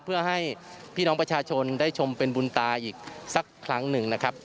เพื่อให้พี่น้องประชาชนได้ชมเป็นบุญตาอีกสักครั้งหนึ่งนะครับ